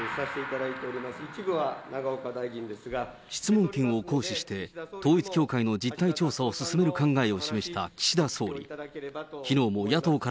質問権を行使して統一教会の実態調査を進める考えを示した岸田総理。